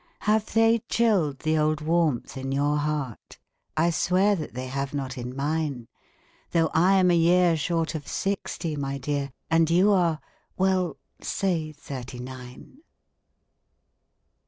Have they chilled the old warmth in your heart? I swear that they have not in mine, Though I am a year Short of sixty, my dear, And you are well, say thirty nine.